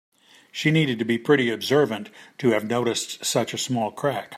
She needed to be pretty observant to have noticed such a small crack.